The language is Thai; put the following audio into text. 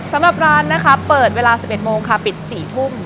สำหรับร้านเปิดเวลา๑๑โมงภายวะ๔ทุ่ม